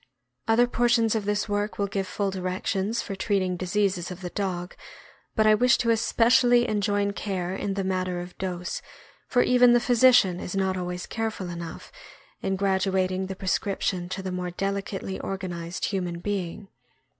Other portions of this work will give full directions for treating diseases of the dog, but I wish to especially enjoin care in the matter of dose, for even the physician is not always careful enough in THE ITALIAN GREYHOUND. 633 graduating the prescription to the more delicately organ ized human being.